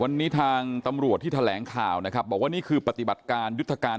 วันนี้ทางตำรวจที่แถลงข่าวนะครับบอกว่านี่คือปฏิบัติการยุทธการ